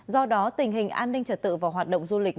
do đó tình hình an ninh trật tự và hoạt động du lịch